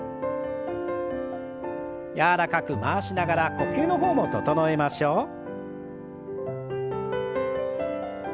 柔らかく回しながら呼吸の方も整えましょう。